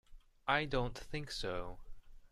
I don't think so.